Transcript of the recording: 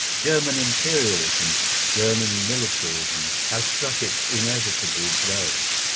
German Imperialism, German militarism, has struck its inevitable blow.